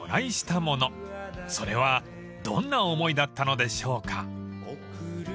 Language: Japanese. ［それはどんな思いだったのでしょうか］